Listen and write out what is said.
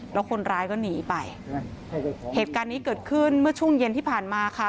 แล้วคนร้ายก็หนีไปเหตุการณ์นี้เกิดขึ้นเมื่อช่วงเย็นที่ผ่านมาค่ะ